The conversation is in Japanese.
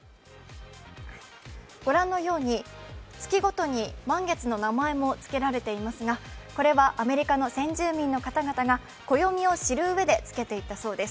月ごとに満月の名前も付けられていますが、これはアメリカの先住民の方々が暦を知るうえでつけていったそうです。